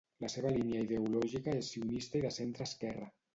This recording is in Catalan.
La seva línia ideològica és sionista i de centreesquerra.